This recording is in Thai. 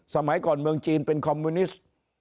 สมัยก่อนเมืองจีนเป็นคอมมิวนิสต์